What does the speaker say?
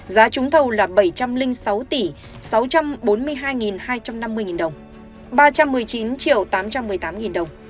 giá trúng thầu là bảy trăm linh sáu tỷ sáu trăm bốn mươi hai nghìn hai trăm năm mươi nghìn đồng ba trăm một mươi chín triệu tám trăm một mươi tám nghìn đồng